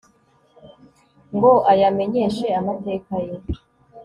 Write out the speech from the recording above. ngo ayamenyeshe amateka ye